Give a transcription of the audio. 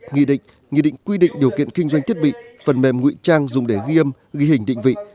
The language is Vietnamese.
nghị định nghị định quy định điều kiện kinh doanh thiết bị phần mềm ngụy trang dùng để ghi âm ghi hình định vị